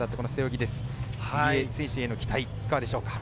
入江選手への期待いかがでしょうか？